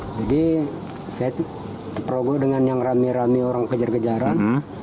jadi saya terobos dengan yang rame rame orang kejar kejaran